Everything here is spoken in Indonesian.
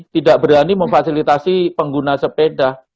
tidak berani memfasilitasi pengguna sepeda